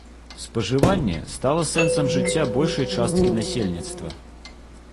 Спажыванне стала сэнсам жыцця большай часткі насельніцтва.